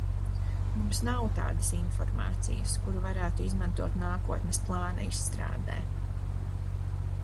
Mums nav tādas informācijas, kuru varētu izmantot nākotnes plāna izstrādē.